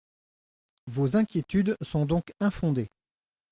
Vos inquiétudes sont donc infondées.